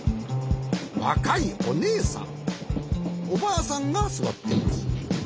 わかいおねえさんおばあさんがすわっています。